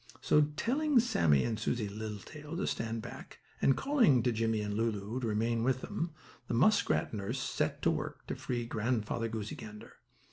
So, telling Sammie and Susie Littletail to stand back, and calling to Jimmie and Lulu to remain with them, the muskrat nurse set to work to free Grandfather Goosey Gander.